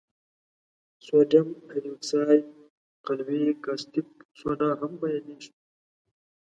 سودیم هایدروکساید قلوي کاستیک سوډا هم یادیږي.